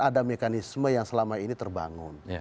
ada mekanisme yang selama ini terbangun